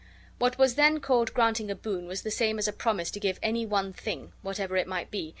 What was then called granting a boon was the same as a promise to give any one thing, whatever it might be